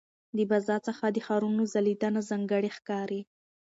د فضا څخه د ښارونو ځلېدنه ځانګړې ښکاري.